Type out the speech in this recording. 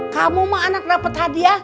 kamu mah anak dapat hadiah